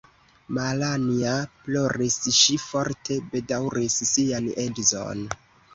Malanja ploris; ŝi forte bedaŭris sian edzon.